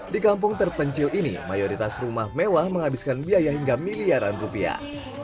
di kampung terpencil ini mayoritas rumah mewah menghabiskan biaya hingga miliaran rupiah